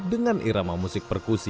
dengan irama musik perkusi